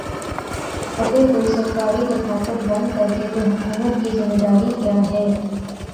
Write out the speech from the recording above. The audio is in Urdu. اگر کوئی سرکاری دفاتر بند کردے تو حکومت کی ذمہ داری کیا ہے؟